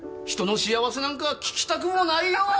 人の幸せなんか聞きたくもないよ。